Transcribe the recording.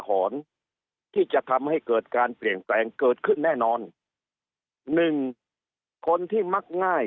หอนที่จะทำให้เกิดการเปลี่ยนแปลงเกิดขึ้นแน่นอนหนึ่งคนที่มักง่าย